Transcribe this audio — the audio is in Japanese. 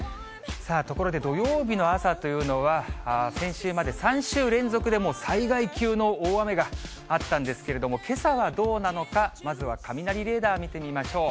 ところで土曜日の朝というのは、先週まで３週連続で災害級の大雨があったんですけれども、けさはどうなのか、まずは雷レーダー見てみましょう。